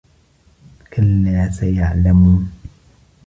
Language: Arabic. كلا سيعلمون